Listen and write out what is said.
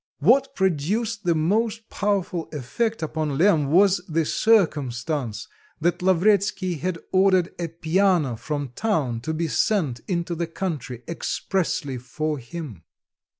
What produced the most powerful effect upon Lemm was the circumstance that Lavretsky had ordered a piano from town to be sent into the country expressly for him.